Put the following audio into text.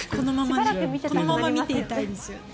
このまま見ていたいですよね。